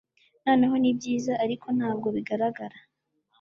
noneho nibyiza Ariko ntabwo bigaragara